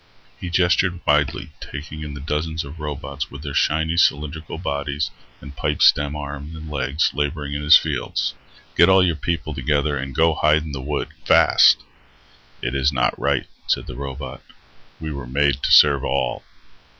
He gestured widely, taking in the dozens of robots with their shiny, cylindrical bodies and pipestem arms and legs laboring in his fields. "Get all your people together and go hide in the wood, fast." "It is not right," said the robot. "We were made to serve all."